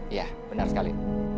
iya benar sekali